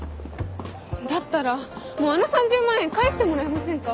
だったらもうあの３０万円返してもらえませんか？